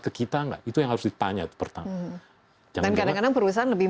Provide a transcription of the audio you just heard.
ke kita enggak itu yang harus ditanya itu pertama jangan kadang kadang perusahaan lebih